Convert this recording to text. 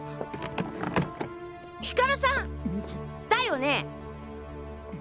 ヒカルさんだよね？